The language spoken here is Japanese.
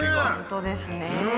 本当ですね。